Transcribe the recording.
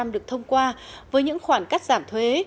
và không được thông qua với những khoản cắt giảm thuế